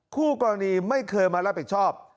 คู่กรณีไม่เคยมารับผิดชอบ